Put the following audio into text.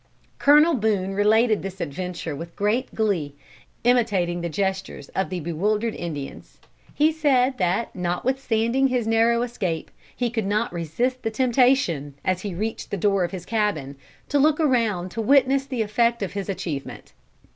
"Colonel Boone related this adventure with great glee, imitating the gestures of the bewildered Indians. He said that notwithstanding his narrow escape, he could not resist the temptation, as he reached the door of his cabin, to look around to witness the effect of his achievement.